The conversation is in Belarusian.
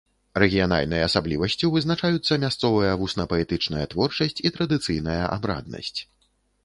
Рэгіянальнай асаблівасцю вызначаюцца мясцовая вусна-паэтычная творчасць і традыцыйная абраднасць.